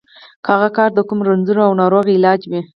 که هغه کار د کوم رنځور او ناروغ علاج وي.